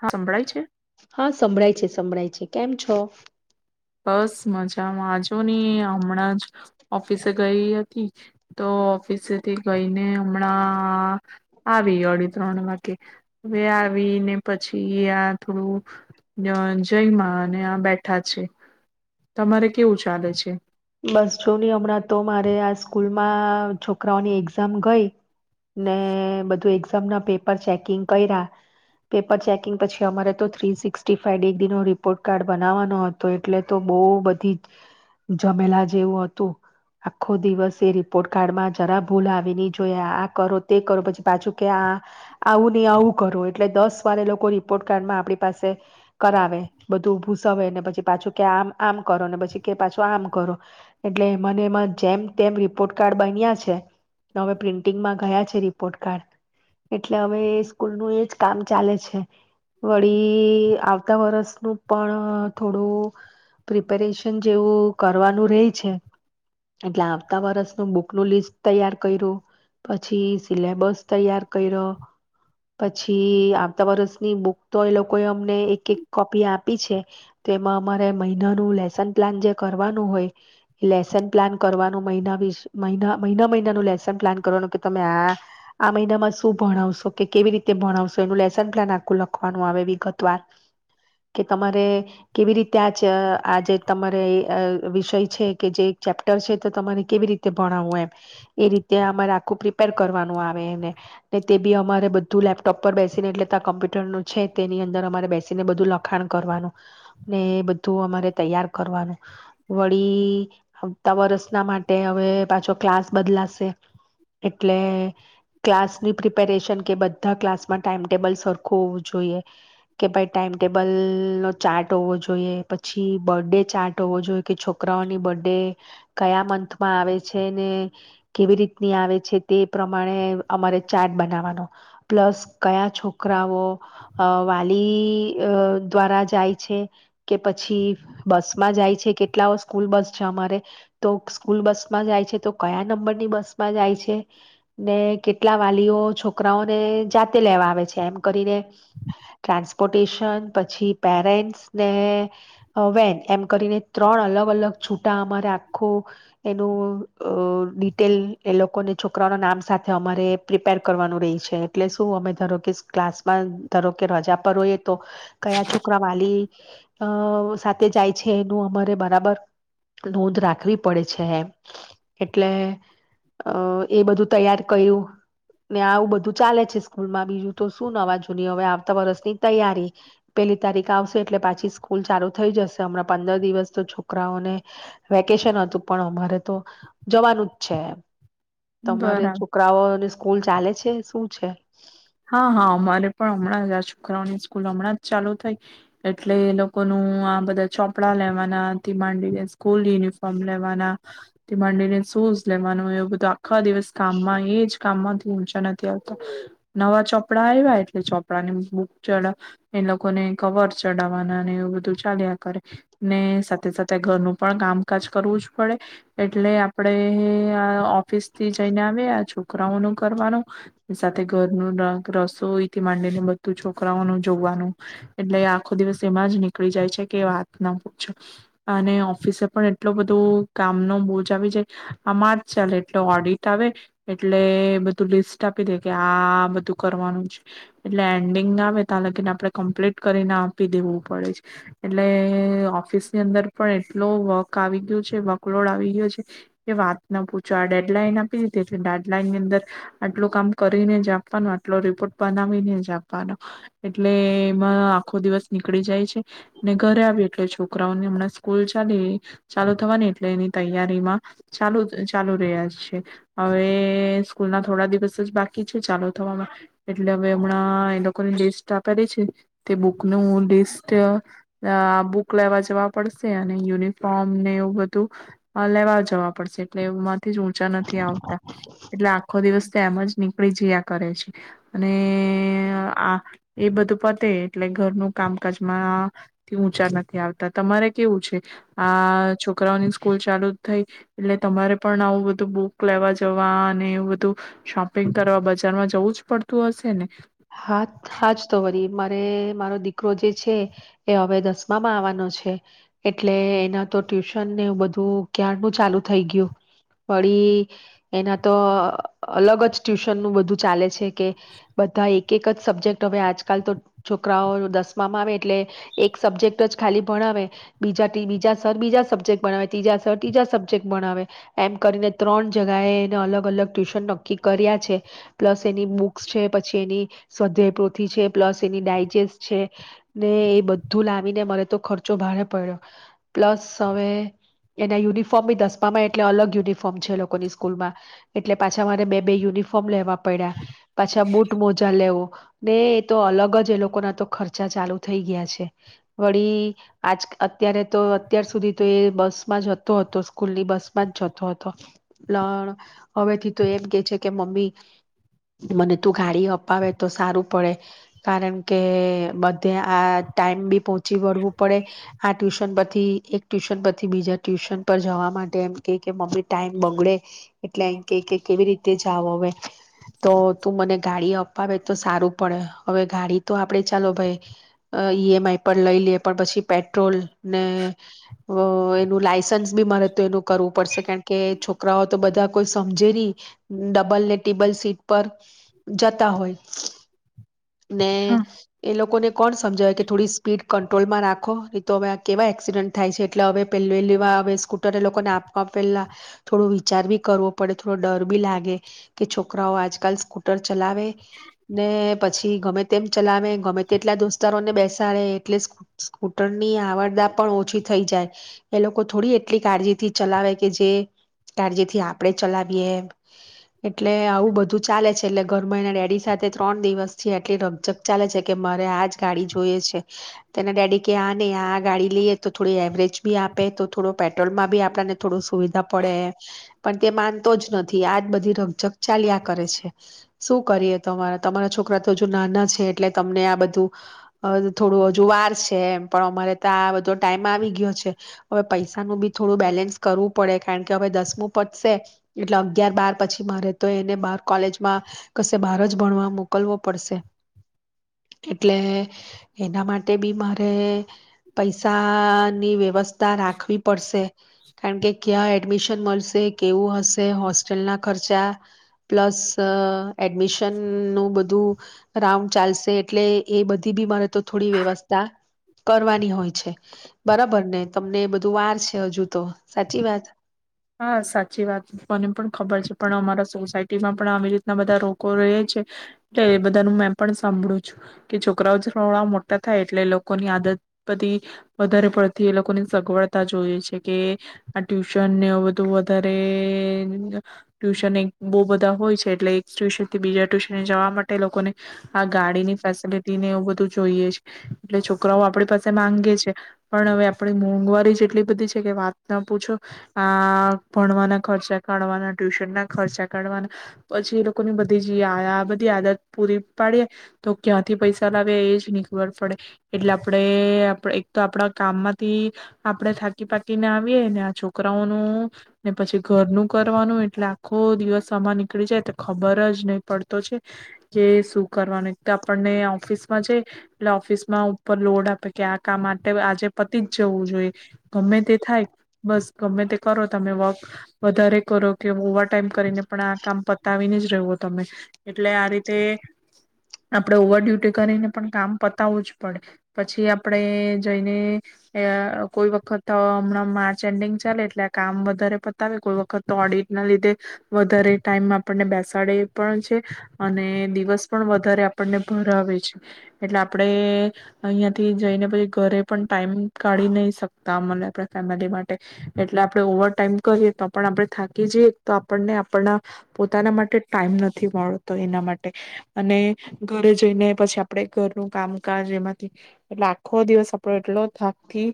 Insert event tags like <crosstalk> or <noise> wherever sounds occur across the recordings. હા હંભળાય છે? હા સંભળાય છે, સંભળાય છે. કેમ છો? બસ મજામાં. જો ને આ હમણાં જ ઓફિસે ગઈ હતી, તો ઓફિસેથી ગઈને હમણાં આવી અહ અઢી ત્રણ વાગે. હવે આવીને પછી આ થોડું જ જઈમાં અને આ બેઠા છે. તમારે કેવું ચાલે છે? બસ જો ને હમણાં તો મારે આ સ્કૂલમાં છોકરાઓની એક્ઝામ ગઈ, ને બધું એક્ઝામ ના પેપર ચેકિંગ કયરા, પેપર ચેકિંગ પછી અમારે તો three sixty five <unintelligible> report card બનાવવાનો હતો, એટલે તો બહુ બધી જમેલા જેવું હતું. આખો દિવસ એ રિપોર્ટ કાર્ડમાં જરા ભૂલ આવી નહી જોઈ, આ-આ કરો, તે કરો, પછી પાછું કે આ આવું નહી, આવું કરો, એટલે દસ વારે એ લોકો રિપોર્ટ કાર્ડમાં આપણી પાસે કરાવે, બધું ભૂસાવેને પછી પાછું કે આમ-આમ કરો પછી કે પાછું આમ કરો, એટલે મને એમાં જેમ તેમ રિપોર્ટ કાર્ડ બન્યા છે. હવે પ્રિન્ટિંગમાં ગયા છે રિપોર્ટ કાર્ડ, એટલે હવે એ સ્કૂલનું એજ કામ ચાલે છે. વળી આવતા વર્ષનું પણ થોડું પ્રિપેરેશન જેવું કરવાનું રેય છે, એટલે આવતા વરસનું બુક નું લિસ્ટ તૈયાર કયરું, પછી સિલેબસ તૈયાર કયરો, પછી આવતા વરસની બુક તો એ લોકોએ અમને એક-એક કોપી આપી છે તો એમાં અમારે મહિનાનું લેસન પ્લાન જે કરવાનુ હોય, લેસન પ્લાન કરવાનું મહિના મહિના મહિનાનુ લેશન પ્લાન કરવાનું કે તમે આ, મહિનામાં શું ભણાવશો કે કેવી રીતે ભણાવશો એનું લેસન પ્લાન આખું લખવાનું આવે વિગત વાર, કે તમારે કેવી રીતે આજ આજે તમારે અ વિષય છે કે જે એક ચેપ્ટર છે તો તમારે કેવી રીતે ભણાવવું એમ, એ રીતે અમારે આખું પ્રિપેર કરવાનું આવે એને, ને તે બી અમારે બધું લેપટોપ પર બેસીને એટલે કમ્પ્યુટરનુ છે તેની અંદર અમારે બેસી ને બધું લખાણ કરવાનું. ને એ બધું અમારે તૈયાર કરવાનું. વળી આવતા વરસના માટે હવે પાછો ક્લાસ બદલાશે, એટલે, ક્લાસની પ્રિપેરેશન કે બધા ક્લાસમાં ટાઈમટેબલ સરખું હોવું જોઈએ, કે ભાઈ ટાઈમટેબલ નો ચાર્ટ હોવો જોઈએ પછી બર્ ડે ચાર્ટ વો જોઈએ. કે છોકરાઓની બર્ ડે, કયા મંથ માં આવે છે ને, કેવી રીતની આવે છે તે પ્રમાણે અમારે, ચાર્ટ બનાવાનો પ્લસ કયા છોકરાઓ વાલી દ્વારા જાય છે કે પછી બસ માં કેટલા સ્કૂલ બસ છે અમારે તો સ્કૂલ બસમાં જાય છે તો કયા નંબરની બસમાં જાય છે, ને કેટલા વાલીઓ છોકરાઓને જાતે લેવા આવે છે એમ કરીને, ટ્રાન્સપોર્ટેશન પછી પેરેન્ટ્સ ને વેન એમ કરીને ત્રણ અલગ અલગ છૂટા અમારે આખું, એનું ડિટેલ એ લોકોને છોકરાઓના નામ સાથે અમારે પ્રિપેર કરવાનું રહી છે એટલે શું અમે ધારો કે ક્લાસમાં ધારો કે રજા પર હોએ. તો, કયા છોકરા વાલી અ એ અમારે બરાબર નોંધ રાખવી પડે છે એમ, એટલે એ બધું તૈયાર કર્યું ને આવું બધું ચાલે છે સ્કૂલમાં બીજું તો શું નવા જૂની હવે આવતા વરષની તૈયારી, પેલી તારીખ આવશે એટલે પાછી સ્કૂલ ચાલુ થઈ જશે. હમણાં પંદર દિવસ તો છોકરાઓને, વેકેશન હતું પણ અમારે તો જવાનું જ છે. તમારે બરાબર છોકરાઓ અને સ્કૂલ ચાલે છે શું છે? હા હા અમારે પણ હમણાં જ આ છોકરાઓની સ્કૂલ હમણાં જ ચાલુ થઈ, એટલે એ લોકોનું આ બધા ચોપડા લેવાના થી માંડીને સ્કૂલ યુનિફોર્મ લેવાના, થી માંડીને શૂઝ લેવાનું એવું બધું આખા દિવસ કામમાં એ જ કામમાંથી ઊંચા નથી આવતા. નવા ચોપડા આવ્યા એટલે ચોપડાની બુક ચડાવ, એ લોકોને કવર ચડાવવાના ને એવું બધું ચાલ્યા કરે, ને સાથે સાથે ઘરનું પણ કામકાજ કરવું જ પડે, એટલે આપડે આ ઓફિસ થી જઈને આવે આ છોકરાઓનું કરવાનું, સાથે ઘરનું રસોઈથી માંડીને બધું છોકરાઓનું જોવાનું એટલે આખો દિવસ એમાં જ નીકળી જાય છે કે વાત ના પૂજો અને ઓફિસે પણ એટલો બધું કામ નો બોજ આવી જાય આ માર્ચ ચાલે એટલે ઓડિટ આવે એટલે બધું લિસ્ટ આપી દે કે આ બધું કરવાનું છે એટલે એન્ડિંગ આવે ત્યા લગીને આપણે કમ્પ્લીટ કરીને આપી દેવું પડે છે એટલે ઓફિસની અંદર પણ એટલો વર્ક આવી ગયો છે વર્કલોડ આવી ગયો છે કે વાત ના પૂછો આ ડેડલાઈન આપી દીધી એટલે ડેડલાઇન ની અંદર આટલું કામ કરીને જ આપવાનો આટલો રિપોર્ટ બનાવીને જ આપવાનો એટલે એમાં આખો દિવસ નીકળી જાય છે ને ઘરે આવી એટલે છોકરાઓને હમણાં સ્કૂલ ચાલી ચાલુ થવાની એટલે એની તૈયારીમાં ચાલુ ચાલુ રહ્યા છે હવે સ્કૂલ ના થોડા દિવસ જ બા કી છે ચાલુ થવામાં એટલે હવે હમણાં એ લોકોની જે સા કરીે છે તે બુકનું લિસ્ટ બુક લેવા જવા પડશે અને યુનિફોર્મ ને એવું બધું લેવા જવા પડશે એટલે ઊંચા નથી આવતા એટલે આખો દિવસ તેમજ નીકળી જયા કરે છે અને આ એ બધું પતે એટલે ઘરનું કામકાજમાંથી ઊંચા નથી આવતા તમારે કેવું છે આ છોકરાઓની સ્કૂલ ચાલુ જ થઈ એટલે તમારે પણ આવું બધું બુક લેવા જવા અને એવું બધું શોપ શોપિંગ કરવા બજાર માં જવું જ પડતું હશે ને હા હાજ તો વરી મારે મારો દીકરો જે છે એ હવે દસમામાં આવવાનો છે એટલે એના તો ટ્યુશનને બધું ક્યાર નું ચાલુ થઈ ગયું વળી એના તો અલગ જ ટ્યુશનનુંબધું ચાલે છે કે બધા એક એક જ સબ્જેક્ટ હ આજકાલ તો છોકરાઓ દસમામાં આવે એટલે એક સબ્જેક્ટ જ ખાલી ભણાવે બીજા બીજા સર બીજા સબ્જેક્ટ ભણાવે ત્રીજા સર ત્રીજા સબ્જેક્ટ ભણાવે એમ કરીને ત્રણ જગાએ એને અલગ અલગ ટ્યુશન નક્કી કર્યા છે પ્લસ એની બુક્સ છે પછી એની સ્ધ્યય પૃ્વી છે પ્લસ એની ડાયજેસ્ટ છે ને એ બધું લાવીને મરે તો ખર્ચો ભારે પડ્યો પ્લસ હવે એના યુનિફોર્મ બી દસમામાં એટલે અલગ યુનિફોર્મ છે લોકોની સ્કૂલમાં એટલે પાછા મારે બે બે યુનિફોર્મ લેવા પડ્યા પાછા બુટ મોજા લેવો ને એ તો અલગ જ એ લોકો ના તો ખર્ચા ચાલુ થઈ ગયા છે વળી આજ અત્યારે તો અત્યાર સુધી તો એ બસ માં જતો હતો સ્કૂલની બસ માં જ જતો હતો પણ હવેથી તો એમ કે છે કે મમ્મી મને તું ગાડી અપાવે તો સારું પડે કારણ કે બધે આ ટાઈમ બી પહોંચી વળવું પડે આ ટ્યુશન પછથી એક ટ્યુશન પછી બીજા ટ્યુશન પર જવા માટે એમ કે મમ્મી ટાઈમ બગડે એટલે એમ કે કે કેવી રીતે જાવ હવે તો તું મને ગાડી અ પાવે તો સારું પડે હવે ગાડી તો આપડે ચાલો ભાઈ ઈએમઆઈ પર લઈ લઈએ પણ પછી પેટ્રોલ ને એનું લાયસન્સ બી મારે તો એનું કરવું પડશે કારણ કે છોકરાઓ તો બધા કોઈ સમજે નહી ડબલ ને ટ્રીબલ સીટ પર જ જતા હોય ને હા એ લોકોને કોણ સમજાવે કે થોડી સ્પીડ કંટ્રોલમાં રાખો તો હવે કેવા એક્સિડન્ટ થાય છે એટલે હવે પહેવા હવે સ્કૂટર એ લોકોને આપવા પેલા થોડો વિચાર ભી કરવો પડે થોડો ડર બી લાગે કે છોકરાઓ આજકાલ સ્કૂટર ચલાવે ને પછી ગમે તેમ ચલાવે ગમે તેટલા દોસ્તારો ને બેસાડે એટલે સ્કુ સ્કૂટરની આવરદા પણ ઓછી થઈ જાય એ લોકો થોડી એટલી કાળજીથી ચલાવે કે જે કાળજી થી આપણેે ચલાવીએ એમ એટલે આવું બધું ચાલે છે એટલે ઘરમાં એન ડે ડી સાથે ત્રણ દિવસ થી એટલી રઝક ચાલે છે કે મારે આજ ગાડી જોઈએ છે તેના ડેડી કે આ નહી આ ગાડી લઈએ તો થોડી એવરેજ ભી આપે તો થોડો પેટ્રોલમાં ભી આપને થોડો સુવિધા પડે પણ તે માનતો જ નથી આજ બધી રકજક ચાલ્યા કરે છે શું કરીએ? તમારા, તમારા છોકરા તો હજુ નાના છે એટલે તમને આ બધું થોડું હજુ વાર છે એમ પણ અમારે તો આ બધો ટાઈમ આવી ગયો છે હવે પૈસાનું ભી થોડું બેલેન્સ કરવું પડે કારણ કે હવે દસમું પતશે એટલે અગ્યાર બાર પછી મારે તો એને બાર કોલેજમાં કશે બાર જ ભણવા મોકલવો પડશે એટલે એના માટે ભી મારે પૈસાની વ્યવસ્ થા રાખવી પડશે. કારણ કે ક્યાં એડમિશન મળશે? કેવું હશે? હોસ્ટેલના ખર્ચા પ્લસ એડમિ શન નું બધું રાઉન્ડ ચાલશે એટલે એ બધી ભી મારે તો થોડી વ્યવસ્થા કરવાની હોય છે. બરાબર ને તમને બધું વાર છે હજુ તો સાચી વાત. હા, સાચી વાત મને પણ ખબર છે પણ અમારા સોસાયટીમાં પણ આવી રીતના બધા લોગો રહે છે એટલે એ બધાનું મેં પણ સાંભળું છું કે છોકરાઓ થોડા મોટા થાય એટલે એ લોકોની આદત બધી વધારે પડતી એ લોકોની સગવડતા જોઈએ છે કે આ ટ્યુશનને વધુ વધારે ટ્યુશન એક બહુ બધા હોય છે એટલે એક ટ્યુશનથી બીજા ટ્યુશન જવા માટે લોકોને આ ગાડીની ફેસિલટીને એ બધું જોઈએ છે એટલે છોકરાઓ આપણી પાસે માંગે છે પણ હવે આપણી મોંઘવારી જ એટલી બધી છે કે વાત ના પૂછો આ ભણવાના ખર્ચા કાઢવાના ટ્યુશન ના ખર્ચા કાઢવાના, પછી એ લોકોની બધી જ આ બધી આદત પૂરી પાડીએ, તો ક્યાંથી પૈસા લાવીએ એ જ ની ખબર પડે, એટલે આપણે એક તો આપણા કામમાંથી, આપણે થાકી પાકીને આવીએ ને આ છોકરા છોકરાઓનું, ને પછી ઘરનું કરવાનું એટલે આખો દિવસ આમાં નીકળી જાય તો ખબર જ નહી પડતો છે, કે શું કરવાનું એક તો આપણને ઓફિસમાં જાય, એટલે ઓફિસમાં ઉપર લોડ આપે કે આ કામ માટે આજે પતિ જ જવું જોઈએ, ગમે તે થાય બસ ગમે તે કરો તમે વોક, વધારે કરો કે ઓવર ટાઈમ કરીને પણ આ કામ પતાવીને જ રહેવો તમે, એટલે આ રીતે, આપણે ઓવર ડ્યુટી કરીને પણ કામ પતાવું જ પડે, પછી આપણે જઈને કોઈ વખત હમણાં માર્ચ એન્ડિંગ ચાલે એટલે આ કામ વધારે પતાવે કોઈ વખત તો ઓડિટ ના લીધે, વધારે ટાઈમ આપણને બેસાડે પણ છે, અને દિવસ પણ વધારે આપણને ભરાવે છે. એટલે આપડે અહિયાં થી જઈને પછી ઘરે પણ ટાઈમ કાઢી નહી શકતામ આપ ફેમિલી માટે. એટલે આપણે ઓવર ટાઈમ કરીએ તો પણ આપણે થાકી જઈએ તો આપણને આપના, પોતાના માટે ટાઈમ નથી મળતો એના માટે, અને ઘરે જઈને પછી આપણે ઘરનું કામકાજ એમાંથી, એટ આખો દિવસ આપડો એટલો થાકતી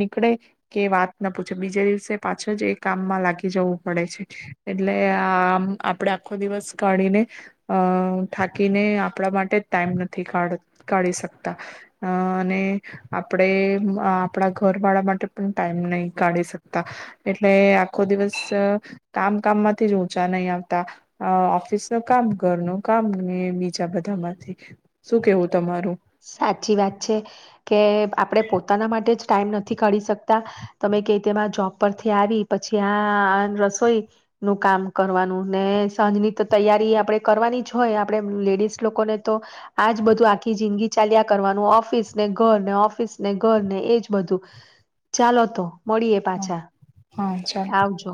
નીકળે કે વાત ના પૂછ. બીજે દિવસે પાછા જ એ કામમાં લાગી જવું પડે છે, એટલે આમ આપણેે આખો દિવસ કાઢીને, અ થાકીને આપણા માટે જ ટાઈમ નથી કા કાઢી શકતા, અ અને આપણે આપણા ઘર વાળા માટે પણ ટાઈમ નહી કાઢી શકતા, એટલે આખો દિવસ કામ કામમાંથી જ ઊંચા નહી આવતા, ઓફિસ ન કામ ઘર ન કામ બીજા બધામાંથી શું કેવું તમારું. સાચી વાત છે, કે આપણે પોતાના માટે જ ટાઈમ નથી કાઢી શકતા, તમે કે તેમાં જોબ પરથી આવી પછી આ રસોઈ, નું કામ કરવાનું ને સાંજની તો તૈયારી આપણે કરવાની જ હોય આપડણે લેડીસ લોકોને તો, આજ બધું આખી જિંદગી ચાલ્યા કરવાનું ઓફિસ ને ઘર ને ઓફિસ ને ઘર ને એજ બધું, ચાલો તો. મળીએ પાછા. હા ચાલ. આવજો.